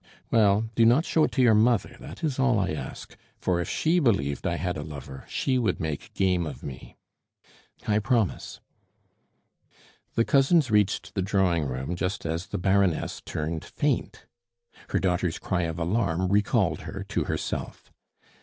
"Well, do not show it to your mother that is all I ask; for if she believed I had a lover, she would make game of me." "I promise." The cousins reached the drawing room just as the Baroness turned faint. Her daughter's cry of alarm recalled her to herself.